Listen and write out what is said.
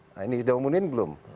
nah ini sudah umumin belum